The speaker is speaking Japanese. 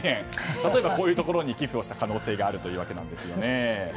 例えばこういうところに寄付した可能性があるということです。